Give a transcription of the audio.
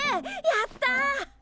やった！